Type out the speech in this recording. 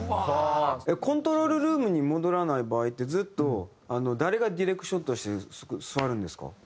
コントロールルームに戻らない場合ってずっと誰がディレクションとして座るんですか？